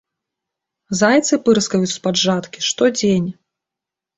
Зайцы пырскаюць з-пад жаткі штодзень.